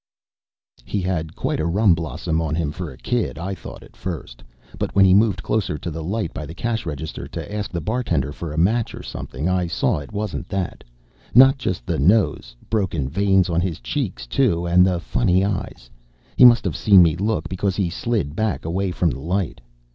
_ He had quite a rum blossom on him for a kid, I thought at first. But when he moved closer to the light by the cash register to ask the bartender for a match or something, I saw it wasn't that. Not just the nose. Broken veins on his cheeks, too, and the funny eyes. He must have seen me look, because he slid back away from the light.